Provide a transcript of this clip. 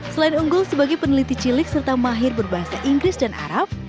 selain unggul sebagai peneliti cilik serta mahir berbahasa inggris dan arab